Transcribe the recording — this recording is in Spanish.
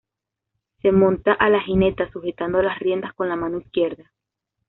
Se monta a la gineta, sujetando las riendas con la mano izquierda.